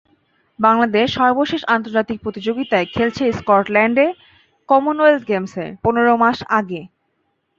বাংলাদেশ সর্বশেষ আন্তর্জাতিক প্রতিযোগিতায় খেলেছে স্কটল্যান্ডে কমনওয়েলথ গেমসে, পনেরো মাস আগে।